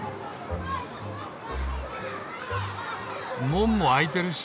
門も開いてるし。